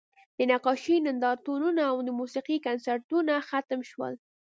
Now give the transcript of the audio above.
د نقاشۍ نندارتونونه او د موسیقۍ کنسرتونه ختم شول